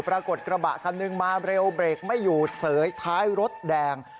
กระบะคันหนึ่งมาเร็วเบรกไม่อยู่เสยท้ายรถแดง